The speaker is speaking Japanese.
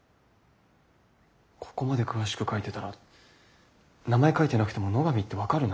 ここまで詳しく書いてたら名前書いてなくても野上って分かるな。